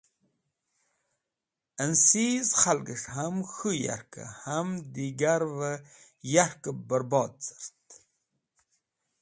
Ẽnsiz khalgẽs̃h ham k̃hũ yarkẽ ham digarvẽ yarke bẽrbod cart.